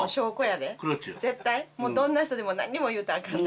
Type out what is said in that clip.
絶対もうどんな人でも何にも言うたらあかんで。